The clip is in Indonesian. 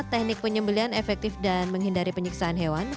teknik penyembelian efektif dan menghindari penyiksaan hewan